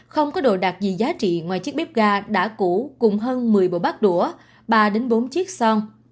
không có đồ đạc gì giá trị ngoài chiếc bếp ga đã cũ cùng hơn một mươi bộ bát đũa ba bốn chiếc son